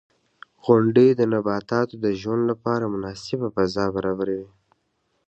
• غونډۍ د نباتاتو د ژوند لپاره مناسبه فضا برابروي.